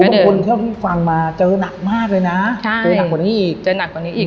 บางคนเคยฟังมาเจอนักมากเลยนะเจอนักกว่านี้อีก